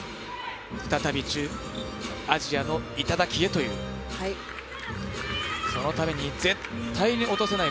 再びアジアの頂へというそのために絶対落とせない